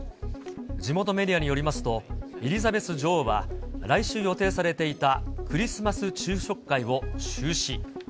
地元メディアによりますと、エリザベス女王は、来週予定されていたクリスマス昼食会を中止。